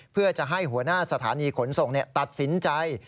เพื่อจะให้หัวหน้าสถานีขนส่งตัดสินใจ